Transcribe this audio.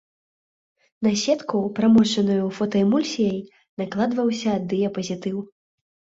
На сетку, прамочаную фотаэмульсіяй, накладваўся дыяпазітыў.